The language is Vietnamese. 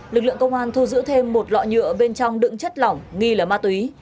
lực lượng công an thu giữ thêm một lọ nhựa bên trong đựng chất lỏng nghi là ma túy